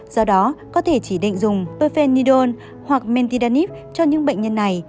do đó có thể chỉ định dùng perfenidone hoặc mentiridone cho những bệnh nhân này